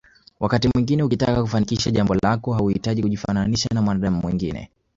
Wakati mwingine ukitaka kufanikisha jambo lako hauhitaji kujifananisha na mwanadamu mwingine